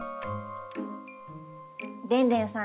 でんでんさん